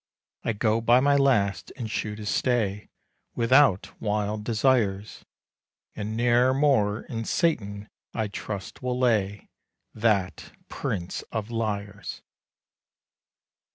I go by my last and shoe to stay, Without wild desires; And ne'er more in Satan I trust will lay, That prince of liars!